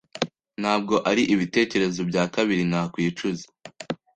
Ntabwo ari ibitekerezo bya kabiri, nta kwicuza,